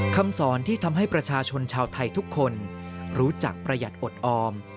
คำสอนที่ทำให้ประชาชนชาวไทยทุกคนรู้จักประหยัดอดออม